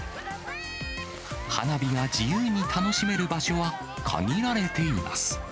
花火が自由に楽しめる場所は、限られています。